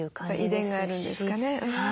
遺伝があるんですかね。